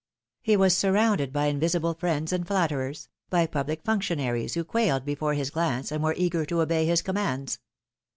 He was surrounded by invisible friends and flatterers, by public functionaries who quailed before his glance and were eager to obey his commands.